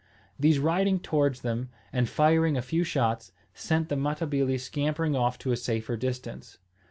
These riding towards them, and firing a few shots, sent the Matabili scampering off to a safer distance.